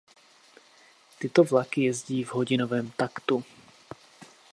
Tyto vlaky jezdí v hodinovém taktu.